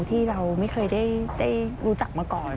ที่เราไม่เคยได้รู้จักมาก่อน